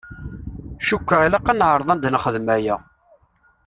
Cukkeɣ ilaq ad neɛṛeḍ ad nexdem aya.